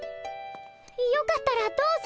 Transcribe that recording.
よかったらどうぞ。